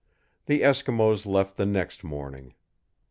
The Eskimos left the next morning.